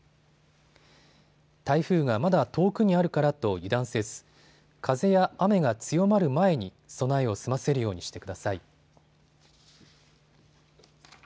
台風がまだ遠くにあるからと油断せず風や雨が強まる前に備えを済ませるようにしてください。